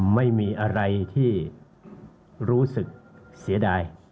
ไม่มีอะไรที่รู้สึกเสียดาย